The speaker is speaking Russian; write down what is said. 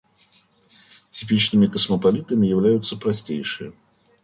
Типичными космополитами являются простейшие.